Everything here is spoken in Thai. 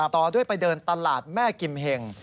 ต่อด้วยไปเดินตลาดแม่กิมเห็ง